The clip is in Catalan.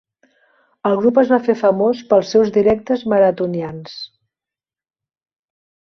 El grup es va fer famós pels seus directes maratonians.